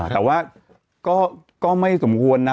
แต่ว่าก็ไม่สมควรนะ